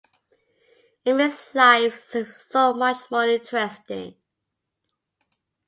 It makes life seem so much more interesting.